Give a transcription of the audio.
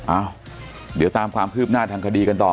อ้าวเดี๋ยวตามความคืบหน้าทางคดีกันต่อ